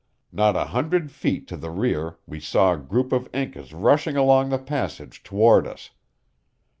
Not a hundred feet to the rear we saw a group of Incas rushing along the passage toward us.